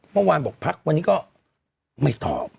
เมื่อวานบอกพักวันนี้ก็ไม่ตอบ